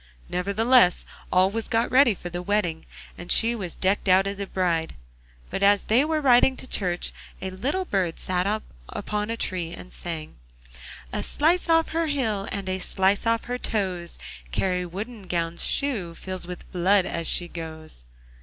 Nevertheless all was got ready for the wedding, and she was decked out as a bride, but as they were riding to church a little bird sat upon a tree and sang: 'A slice off her heel And a slice off her toes, Kari Woodengown's shoe Fills with blood as she goes!